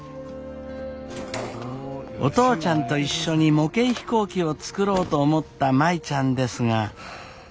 お父ちゃんと一緒に模型飛行機を作ろうと思った舞ちゃんですが。